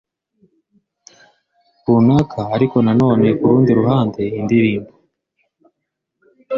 runaka ariko na none ku rundi ruhande indirimbo